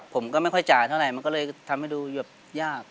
ผมก็ไม่ค่อยจ่ายเท่าไหร่มันก็เลยทำให้ดูหยุดยาก